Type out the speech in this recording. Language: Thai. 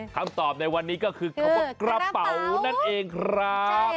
คำตอบในวันนี้ก็คือคำว่ากระเป๋านั่นเองครับ